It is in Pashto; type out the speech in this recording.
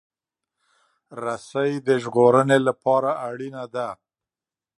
رسۍ د ژغورنې لپاره اړینه ده.